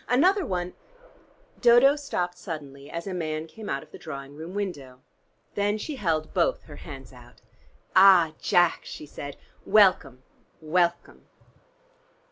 Another one " Dodo stopped suddenly, as a man came out of the drawing room window. Then she held both her hands out. "Ah, Jack," she said. "Welcome, welcome!"